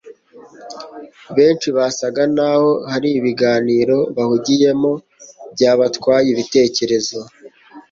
benshi basaga naho hari ibiganiro bahugiyemo byabatwaye ibitekerezo